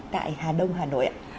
tại hà đông hà nội